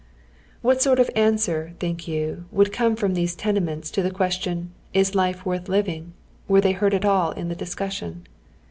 What sort of an answer, think yon, wonld come from these tenements to the question "Is life worth living ?" were they heard at all in the discussion